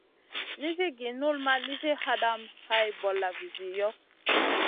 Nizi gi null ma nizi hadamèh hay bolla vizi yoh.